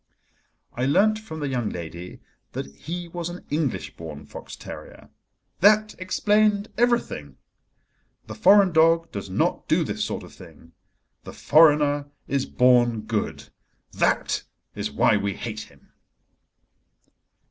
I learnt from the young lady that he was an English born fox terrier. That explained everything. The foreign dog does not do this sort of thing. The foreigner is born good: that is why we hate him.